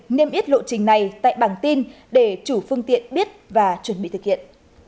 nêm ít lộ trình này tại bảng tin để chủ phương tiện biết và chuẩn bị thực hiện